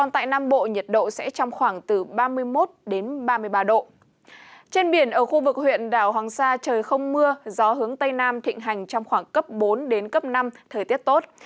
trên biển ở khu vực huyện đảo hoàng sa trời không mưa gió hướng tây nam thịnh hành trong khoảng cấp bốn đến cấp năm thời tiết tốt